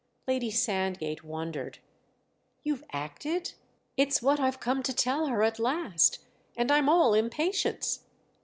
Lady Sandgate wondered. "You've 'acted'?" "It's what I've come to tell her at last—and I'm all impatience."